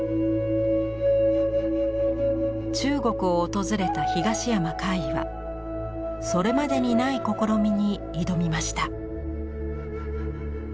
中国を訪れた東山魁夷はそれまでにない試みに挑みました。